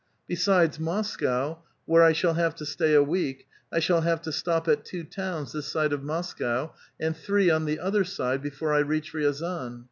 Besides Mos cow, where I shall have to slay a week, I shall have to stop at two towns this side of Moscow, and three on the other side before I reach Riazan.